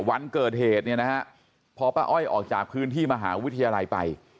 วันเกิดเหตุเนี่ยนะฮะพอป้าอ้อยออกจากพื้นที่มหาวิทยาลัยไป